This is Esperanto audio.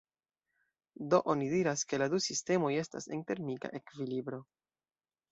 Do oni diras ke la du sistemoj estas en termika ekvilibro.